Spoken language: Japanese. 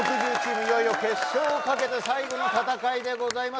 いよいよ決勝をかけて最後の戦いでございます。